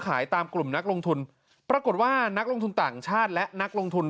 ขายตามกลุ่มนักลงทุนปรากฏว่านักลงทุนต่างชาติและนักลงทุน